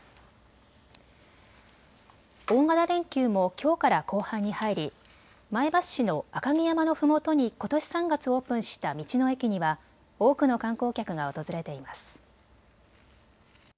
大型連休もきょうから後半に入り前橋市の赤城山のふもとにことし３月オープンした道の駅には多くの観光客が訪れています。